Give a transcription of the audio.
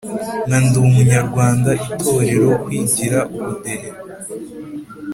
nka ndi umunyarwanda, itorero, kwigira, ubudehe,